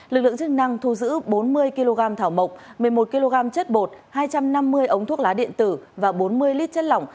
lực lượng chức năng thu giữ bốn mươi kg thảo mộc một mươi một kg chất bột hai trăm năm mươi ống thuốc lá điện tử và bốn mươi lít chất lỏng